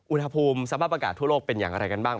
อุณหภูมิสภาพอากาศทั่วโลกเป็นอย่างไรกันบ้าง